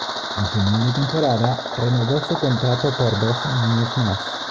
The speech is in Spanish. A final de temporada, renovó su contrato por dos años más.